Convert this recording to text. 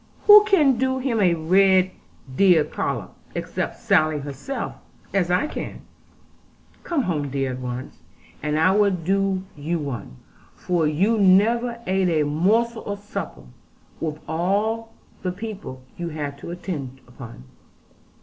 Who can do him a red deer collop, except Sally herself, as I can? Come home, dear, at once, and I will do you one; for you never ate a morsel of supper, with all the people you had to attend upon.'